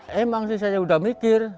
memang saya sudah mikir